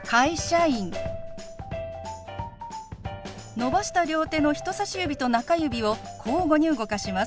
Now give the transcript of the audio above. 伸ばした両手の人さし指と中指を交互に動かします。